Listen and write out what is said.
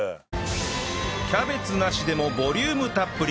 キャベツなしでもボリュームたっぷり